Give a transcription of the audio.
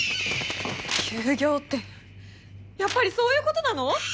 休業ってやっぱりそういうことなの！？